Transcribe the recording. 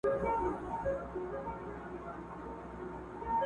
دا د ژوند پور دي در واخله له خپل ځانه یمه ستړی؛